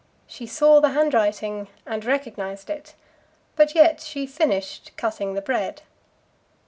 She saw the handwriting and recognised it, but yet she finished cutting the bread.